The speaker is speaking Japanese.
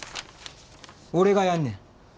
俺がやんねん。